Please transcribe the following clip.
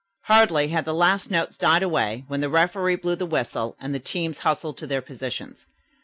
Hardly had the last notes died away, when the referee blew the whistle and the teams hustled to their positions.